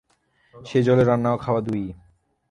সেই জলে রান্না ও খাওয়া দুই-ই।